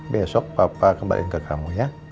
besok papa kembali ke kamu ya